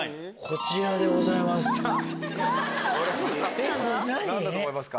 こちらでございます。